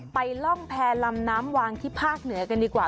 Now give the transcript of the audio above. ร่องแพรลำน้ำวางที่ภาคเหนือกันดีกว่า